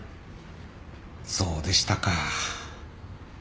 そうでしたか。